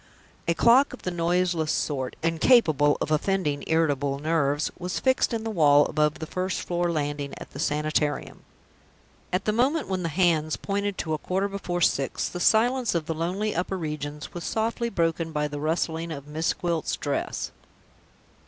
A clock of the noiseless sort incapable of offending irritable nerves was fixed in the wall, above the first floor landing, at the Sanitarium. At the moment when the hands pointed to a quarter before six, the silence of the lonely upper regions was softly broken by the rustling of Miss Gwilt's dress.